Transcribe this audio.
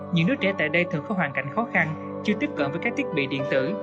những đứa trẻ tại đây thường có hoàn cảnh khó khăn chưa tiếp cận với các thiết bị điện tử